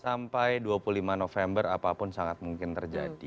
sampai dua puluh lima november apapun sangat mungkin terjadi